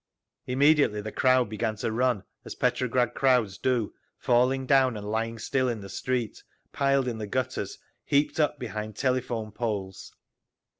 Immediately the crowd began to run, as Petrograd crowds do, falling down and lying still in the street, piled in the gutters, heaped up behind telephone poles.